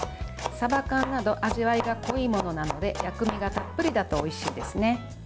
さば缶など味わいが濃いものなので薬味がたっぷりだとおいしいですね。